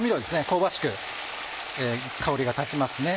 香ばしく香りが立ちますね。